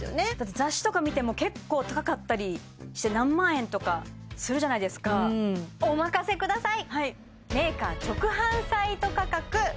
雑誌とか見ても結構高かったりして何万円とかするじゃないですかお任せください！